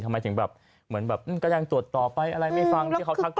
ทำไมถึงแบบก็ยังตรวจต่อไปอะไรไม่ฟังที่เขาทักทวงเลย